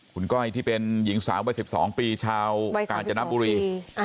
คุณก้อยที่เป็นหญิงสาว๒๒ปีชาวอาจจะนับบุรี